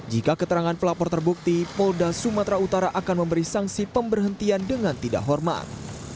jika keterangan pelapor terbukti polda sumatera utara akan memberi sanksi pemberhentian dengan tidak hormat